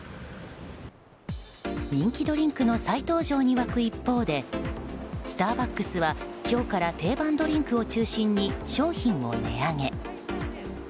人気ドリンクの再登場に沸く一方でスターバックスは今日から定番ドリンクを中心に商品を値上げ。